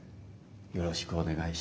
よろしくお願いします。